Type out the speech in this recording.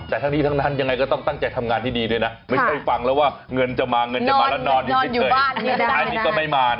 แต่ทั้งนี้ทั้งนั้นยังไงก็ต้องตั้งใจทำงานที่ดีด้วยนะไม่ใช่ฟังแล้วว่าเงินจะมาเงินจะมาแล้วนอนอยู่เฉยอันนี้ก็ไม่มานะ